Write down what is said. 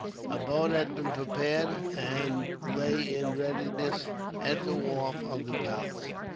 A boat had been prepared, and lay in readiness at the wharf of the palace.